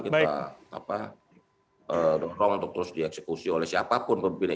kita dekong untuk terus dieksekusi oleh siapapun pemimpinnya